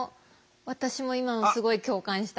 私も今のすごい共感した。